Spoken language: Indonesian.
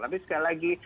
tapi sekali lagi